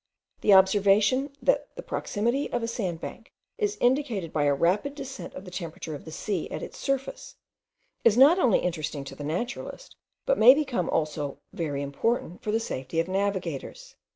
The observation, that the proximity of a sand bank is indicated by a rapid descent of the temperature of the sea at its surface, is not only interesting to the naturalist, but may become also very important for the safety of navigators.